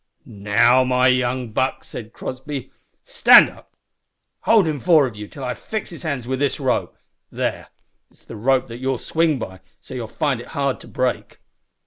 "Now, my young buck," said Crossby, "stand up! Hold him, four of you, till I fix his hands wi' this rope. There, it's the rope that you'll swing by, so you'll find it hard to break."